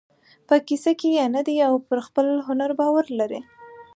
په کیسه کې یې نه دی او پر خپل هنر باور لري.